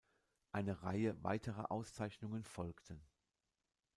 Eine Reihe weiterer Auszeichnungen folgten.